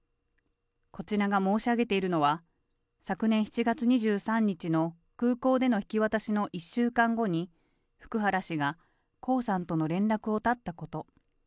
こちらが申し上げているのは、昨年７月２３日の空港での引き渡しの１週間後に福原氏が江さんとの連絡を絶ったこと。